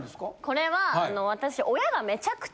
これは私。